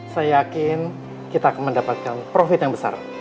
saya yakin kita akan mendapatkan profit yang besar